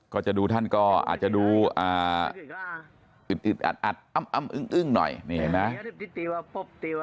ก็จะดูท่านก็อาจจะดูอึดอัดอ้ำอึ้งหน่อยนี่เห็นไหม